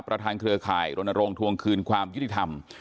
ประธานเครือข่าวรนถวงคืนความยุติธรรม